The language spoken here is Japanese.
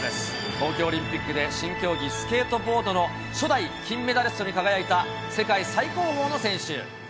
東京オリンピックで新競技、スケートボードの初代金メダリストに輝いた、世界最高峰の選手。